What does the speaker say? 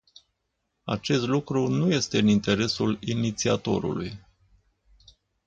Acest lucru nu este în interesul inițiatorului.